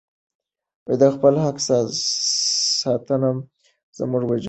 د خپل حق ساتنه زموږ وجیبه ده.